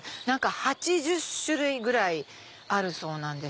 ８０種類ぐらいあるそうなんです。